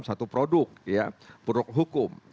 satu produk produk hukum